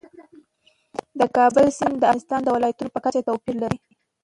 د کابل سیند د افغانستان د ولایاتو په کچه توپیر لري.